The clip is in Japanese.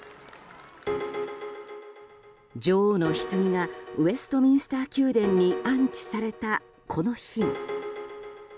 女王のひつぎがウェストミンスター宮殿に安置された、この日も。